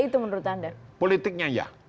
itu menurut anda politiknya ya